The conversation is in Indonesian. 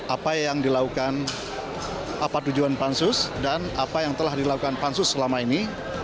apa yang dilakukan apa tujuan pansus dan apa yang telah dilakukan pansus selama ini